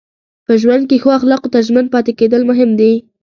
په ژوند کې ښو اخلاقو ته ژمن پاتې کېدل مهم دي.